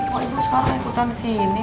kok ibu sekarang ikutan sini